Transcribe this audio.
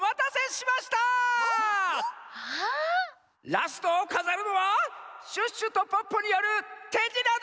ラストをかざるのはシュッシュとポッポによるてじなです！